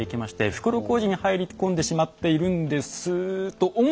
袋小路に入り込んでしまっているんですと思いきや。